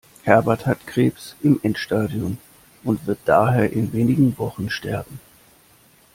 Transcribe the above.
Herbert hat Krebs im Endstadium und wird daher in wenigen Wochen sterben.